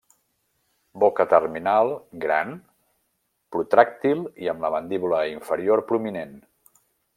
Boca terminal, gran, protràctil i amb la mandíbula inferior prominent.